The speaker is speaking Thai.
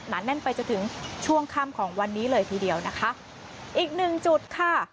แน่นไปจนถึงช่วงค่ำของวันนี้เลยทีเดียวนะคะอีกหนึ่งจุดค่ะ